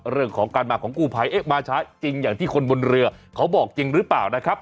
เรื่องของการมาของกู้ภัยเอ๊ะมาช้าจริงอย่างที่คนบนเรือเขาบอกจริงหรือเปล่านะครับ